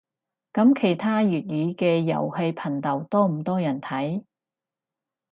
噉其他粵語嘅遊戲頻道多唔多人睇